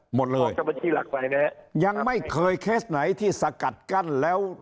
หมดเลยเจ้าหน้าที่หลักไปนะฮะยังไม่เคยเคสไหนที่สกัดกั้นแล้ว